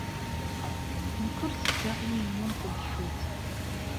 Nekk ur ttetteɣ ul-nni n tḍeffut.